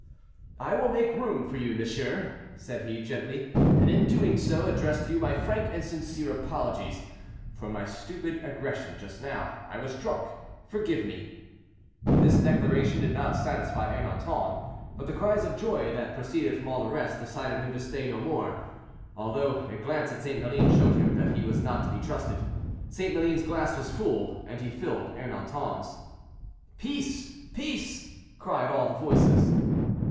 "I will make room for you, monsieur," said he, gently; "and in doing so address to you my frank and sincere apologies for my stupid aggression just now; I was drunk; forgive me." This declaration did not satisfy Ernanton; but the cries of joy that proceeded from all the rest decided him to say no more, although a glance at St. Maline showed him that he was not to be trusted. St. Maline's glass was full, and he filled Ernanton's. "Peace! peace!" cried all the voices.